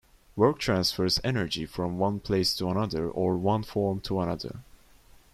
Work transfers energy from one place to another or one form to another.